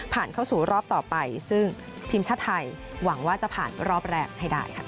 เข้าสู่รอบต่อไปซึ่งทีมชาติไทยหวังว่าจะผ่านรอบแรกให้ได้ค่ะ